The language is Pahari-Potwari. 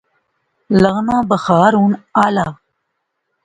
لغنا بخار ہون آلا